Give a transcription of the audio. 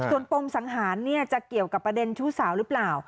ส่วนปมสังหารจะเกี่ยวกับประเด็นชู้สาวหรือเปล่า